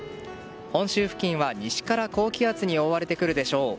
本州付近は西から高気圧に覆われてくるでしょう。